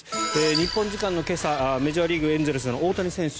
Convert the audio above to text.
日本時間の今朝メジャーリーグエンゼルスの大谷選手。